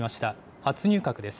初入閣です。